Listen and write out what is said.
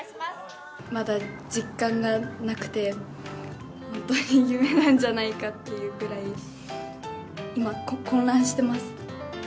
まだ実感がなくて、本当に夢なんじゃないかというぐらい、今、混乱してます。